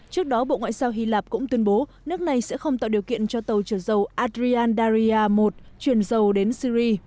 trước đó bộ ngoại giao hy lạc cũng tuyên bố nước này sẽ không tạo điều kiện cho tàu trở dâu adrian daria một chuyển dâu đến syri